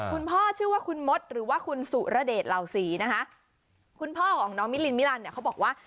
คุณพ่อชื่อว่าคุณมดหรือว่าคุณสุรเดชเหล่าศรีนะคะคุณพ่อของน้องมิลินมิลันเนี่ยเขาบอกว่า